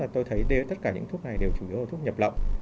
tôi thấy tất cả những thuốc này đều chủ yếu là thuốc nhập lậu